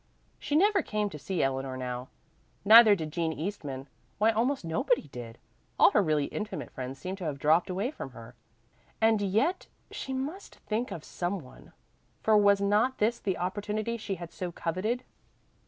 She never came to see Eleanor now. Neither did Jean Eastman why almost nobody did; all her really intimate friends seemed to have dropped away from her. And yet she must think of some one, for was not this the opportunity she had so coveted?